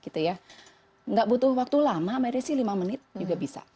tidak butuh waktu lama melewati lima menit juga bisa